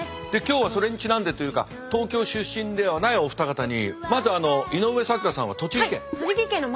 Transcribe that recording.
で今日はそれにちなんでというか東京出身ではないお二方にまず井上咲楽さんは栃木県。